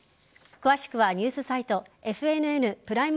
詳しくはニュースサイトＦＮＮプライム